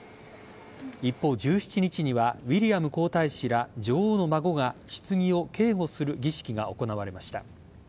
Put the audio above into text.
一方、１７日にはウィリアム皇太子ら女王の孫が棺を警護する儀式が行われました。